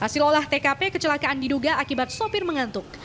hasil olah tkp kecelakaan diduga akibat sopir mengantuk